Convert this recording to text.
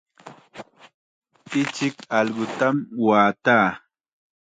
Ichik allqutam waataa.